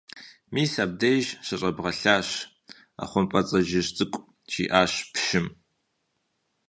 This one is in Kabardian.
Мис абдежым щыщӀэбгъэлъащ, ХъумпӀэцӀэджыжь цӀыкӀу! – жиӀащ пщым.